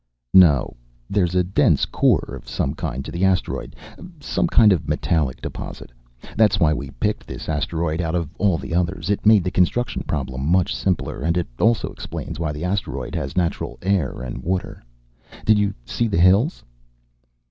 "No. There's a dense core of some kind to the asteroid, some kind of metallic deposit. That's why we picked this asteroid out of all the others. It made the construction problem much simpler, and it also explains why the asteroid has natural air and water. Did you see the hills?"